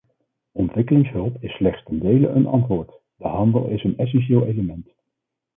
Ontwikkelingshulp is slechts ten dele een antwoord, de handel is een essentieel element.